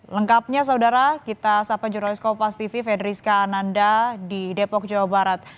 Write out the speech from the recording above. lengkapnya saudara kita sapa jurnalis kopas tv fedriska ananda di depok jawa barat